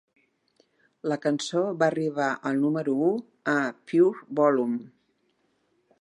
La cançó va arribar al número u a Pure Volume.